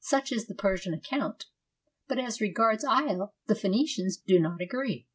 Such is the Persian account, but as regards Io the Phoenicians do not agree.